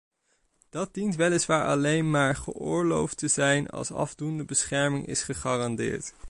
Dat dient weliswaar alleen maar geoorloofd te zijn als afdoende bescherming is gegarandeerd.